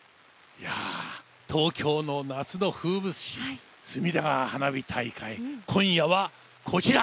東京の夏の風物詩隅田川花火大会、今夜はこちら。